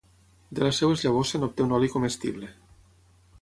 De les seves llavors se n'obté un oli comestible.